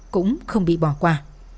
cũng không bị bỏ qua